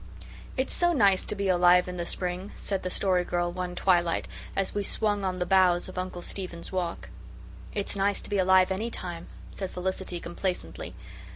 "It's so nice to be alive in the spring," said the Story Girl one twilight as we swung on the boughs of Uncle Stephen's walk. "It's nice to be alive any time," said Felicity, complacently.